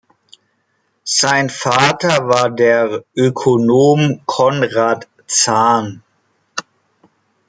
Sein Vater war der Ökonom Conrad Zahn.